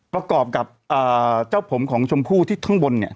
ประกอบกับเจ้าผมของชมพู่ที่ข้างบนเนี่ย